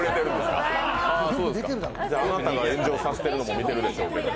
あなたが炎上させてるのも見てるでしょうけど。